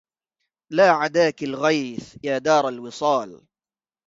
لا عداكِ الغيث يا دار الوصالِ